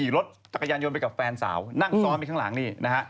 รถจักรยานยนต์ไปกับแฟนสาวนั่งซ้อนไปข้างหลังนี่นะฮะ